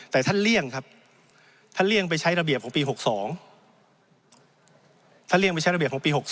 แต่ท่านเลี่ยงไปใช้ระเบียบของปี๖๒